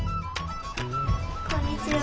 こんにちは。